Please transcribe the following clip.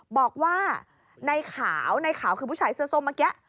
บอกว่าในขาวในขาวคือผู้ชายเสื้อส้มเมื่อกี้